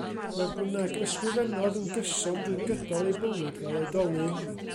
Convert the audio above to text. Fodd bynnag, ysgrifennodd yn gyson drwy gydol ei bywyd fel oedolyn.